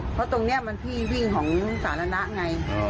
เพราะตรงนี้มันที่วิ่งของสาธารณะไง